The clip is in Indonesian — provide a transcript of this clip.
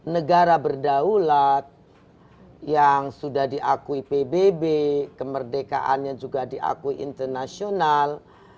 negara berdaulat yang sudah diakui pbb kemerdekaannya juga diakui internasional